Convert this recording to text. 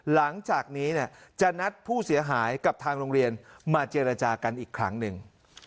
หลังจากนี้จะนัดผู้เสียหายกับทางโรงเรียนมาเจรจากันอีกครั้งหนึ่ง